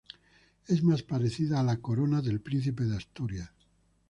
Es más parecida a la corona del príncipe de Asturias.